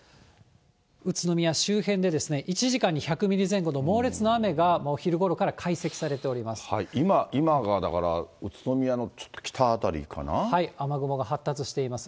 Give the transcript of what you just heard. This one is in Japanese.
宇都宮周辺でですね、１時間に１００ミリ前後の猛烈な雨が、お昼今がだから、宇都宮のちょっ雨雲が発達しています。